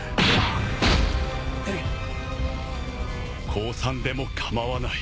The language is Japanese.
降参でも構わない。